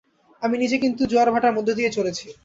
আমি নিজে কিন্তু জোয়ার-ভাঁটার মধ্য দিয়েই চলেছি।